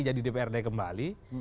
jadi dprd kembali